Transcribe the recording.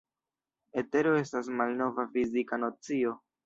Etero estas malnova fizika nocio.